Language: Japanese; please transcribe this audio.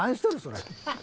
それ。